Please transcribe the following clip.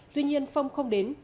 tuy nhiên phong không đến